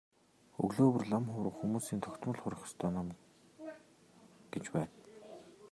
Өглөө бүр лам хувраг хүмүүсийн тогтмол хурах ёстой ном гэж байна.